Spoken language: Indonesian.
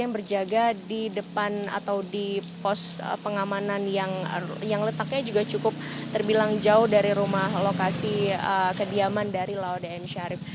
yang berjaga di depan atau di pos pengamanan yang letaknya juga cukup terbilang jauh dari rumah lokasi kediaman dari laude m syarif